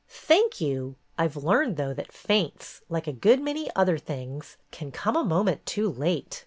"Thank you. I 've learned, though, that faints, like a good many other things, can come a moment too late.